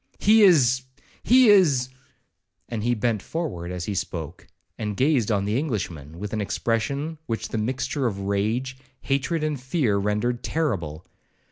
—He is—he is—' and he bent forwards as he spoke, and gazed on the Englishman with an expression which the mixture of rage, hatred, and fear, rendered terrible.